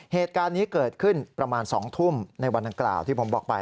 เหตุการณ์นี้เกิดขึ้นประมาณ๒ทุ่มในวันดังกล่าวที่ผมบอกไป